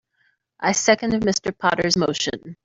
I second Mr. Potter's motion.